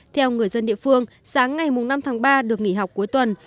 theo người dân địa phương sáng ngày năm tháng ba được nghỉ học cuối tuần